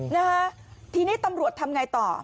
นะฮะทีนี้ตำรวจทำไงต่อ